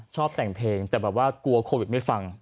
ชอบแต่งเพลงแต่แบบว่ากลัวโควิดไม่ฟัง